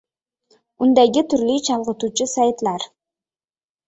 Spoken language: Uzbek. undagi turli chalg’ituvchi saytlar